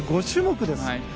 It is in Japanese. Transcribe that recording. ５種目ですよ。